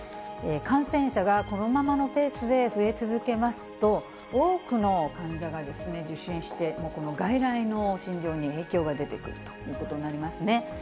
感染者がこのままのペースで増え続けますと、多くの患者がですね、受診して、外来の診療に影響が出てくるということになりますね。